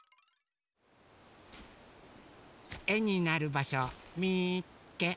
えになるばしょみっけ！